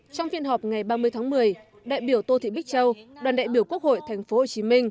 trong phiên họp ngày ba mươi tháng một mươi đại biểu tô thị bích châu đoàn đại biểu quốc hội tp hcm